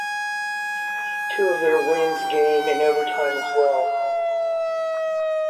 Two of their wins game in overtime as well.